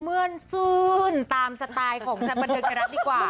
เมื่อนซื่นตามสไตล์ของจันทร์ประดึกฤทธิ์ดีกว่า